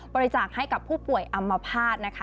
บริจาคให้กับผู้ป่วยอำมภาษณ์นะคะ